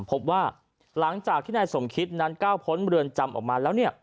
พบว่าหลังจากที่นายสมคิดนั้นก้าวพ้นเรือนจำออกมาแล้ว